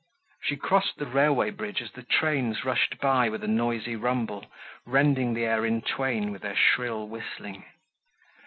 She crossed the railway bridge as the trains rushed by with a noisy rumble, rending the air in twain with their shrill whistling!